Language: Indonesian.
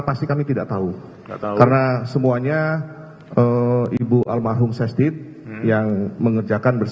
pak idil yang bisa menjelaskan